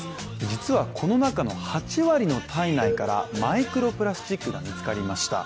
実はこの中の８割の体内からマイクロプラスチックが見つかりました。